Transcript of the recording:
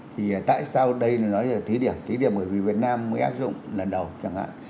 thì tại sao đây nói là thí điểm thí điểm bởi vì việt nam mới áp dụng lần đầu chẳng hạn